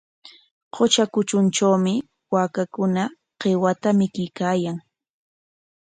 Qutra kutruntrawmi waakakuna qiwata mikuykaayan.